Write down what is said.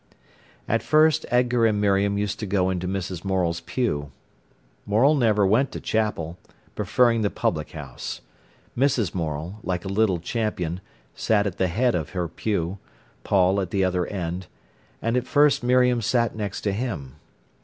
At first Edgar and Miriam used to go into Mrs. Morel's pew. Morel never went to chapel, preferring the public house. Mrs. Morel, like a little champion, sat at the head of her pew, Paul at the other end; and at first Miriam sat next to him.